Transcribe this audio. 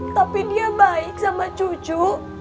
tapi dia baik sama cucu